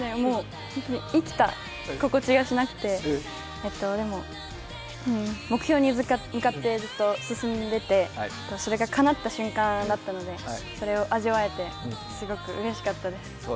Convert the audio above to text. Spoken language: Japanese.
生きた心地がしなくて、目標に向かってずっと進んでて、それがかなった瞬間だったのでそれを味わえて、すごくうれしかったです。